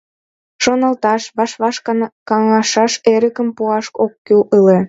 Шоналташ, ваш-ваш каҥашаш эрыкым пуаш ок кӱл ыле.